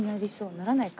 ならないか。